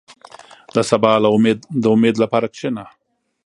• د سبا د امید لپاره کښېنه.